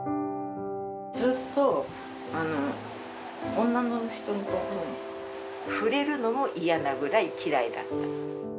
ずっと女の人の所にいて、触れるのも嫌なくらい嫌いだった。